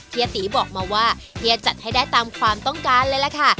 เฮียตีบอกมาว่าเฮียจัดให้ได้ตามความต้องการเลยล่ะค่ะ